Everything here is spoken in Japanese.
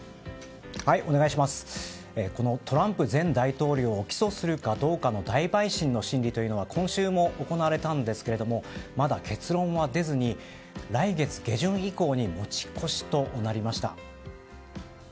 トランプ前大統領を起訴するかどうかの大陪審の審理というのは今週も行われたんですがまだ結論は出ずに来月下旬以降に持ち越しとなりました。